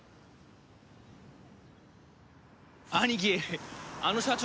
兄貴あの社長